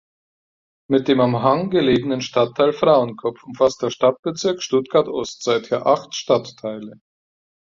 Mit dem am Hang gelegenen Stadtteil Frauenkopf umfasst der Stadtbezirk Stuttgart-Ost seither acht Stadtteile.